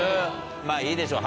まぁいいでしょう